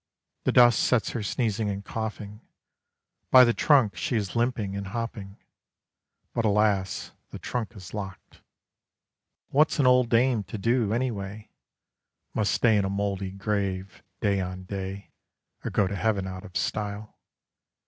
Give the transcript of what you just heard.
The dust sets her sneezing and coughing, By the trunk she is limping and hopping, But alas the trunk is locked. What's an old dame to do, anyway! Must stay in a mouldy grave day on day, Or go to heaven out of style.